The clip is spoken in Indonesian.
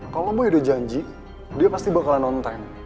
kalau boy udah janji dia pasti bakal nonton